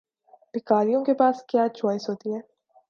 بھکاریوں کے پاس کیا چوائس ہوتی ہے؟